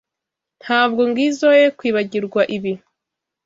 Ntabwo ngizoe kwibagirwa ibi.